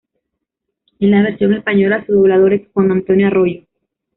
En la versión española su doblador es Juan Antonio Arroyo.